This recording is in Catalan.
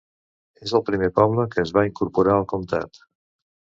És el primer poble que es va incorporar al comtat.